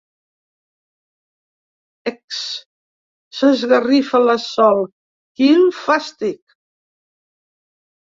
Ecs! —s'esgarrifa la Sol— Quin fàstic!